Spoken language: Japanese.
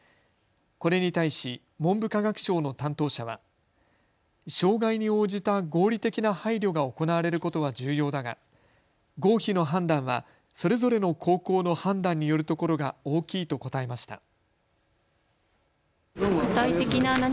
これに対し文部科学省の担当者は障害に応じた合理的な配慮が行われることは重要だが合否の判断はそれぞれの高校の判断によるところが大きいと答えました。